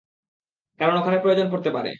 কারণ ওখানে প্রয়োজন পড়তে পারে।